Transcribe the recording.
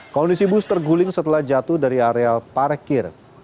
kondisi bus terguling setelah jatuh dari area parkir